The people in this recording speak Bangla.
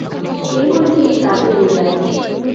এই বলে তিনি কাজে লেগে গেলেন।